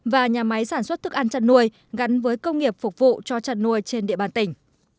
và nhà máy sản xuất thức ăn chăn nuôi gắn với công nghiệp phục vụ cho chăn nuôi trên địa bàn tỉnh